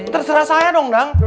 terserah saya dong dang